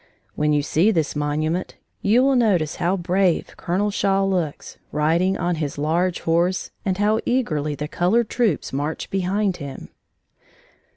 When you see this monument, you will notice how brave Colonel Shaw looks, riding on his large horse, and how eagerly the colored troops march behind him.